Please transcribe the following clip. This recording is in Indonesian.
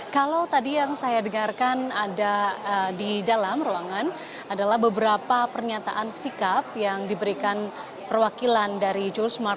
kalau tadi yang saya dengarkan ada di dalam ruangan adalah beberapa pernyataan sikap yang diberikan perwakilan dari joe smart